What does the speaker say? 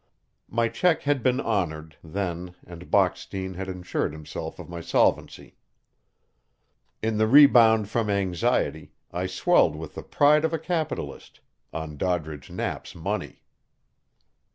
My check had been honored, then, and Bockstein had assured himself of my solvency. In the rebound from anxiety, I swelled with the pride of a capitalist on Doddridge Knapp's money.